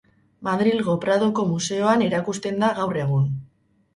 Madrilgo Pradoko Museoan erakusten da gaur egun.